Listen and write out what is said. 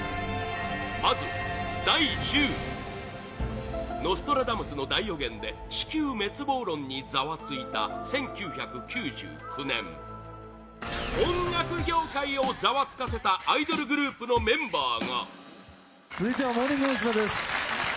まずは第１０位「ノストラダムスの大予言」で地球滅亡論にざわついた１９９９年音楽業界をざわつかせたアイドルグループのメンバーがタモリ：続いてはモーニング娘。です。